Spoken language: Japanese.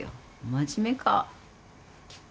真面目か。